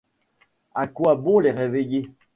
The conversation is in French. À quoi bon les réveiller?...